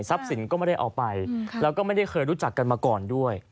สินก็ไม่ได้เอาไปแล้วก็ไม่ได้เคยรู้จักกันมาก่อนด้วย